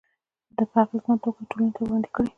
په اغیزناکه توګه یې ټولنې ته وړاندې کړي.